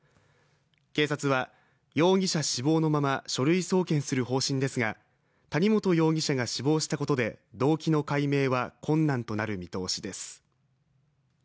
警察は、容疑者死亡のまま書類送検する方針ですが、谷本容疑者が死亡したことで動機の解明は困難となる見通しです。